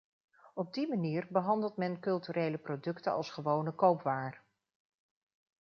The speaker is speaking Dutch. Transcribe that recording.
Op die manier behandelt men culturele producten als gewone koopwaar.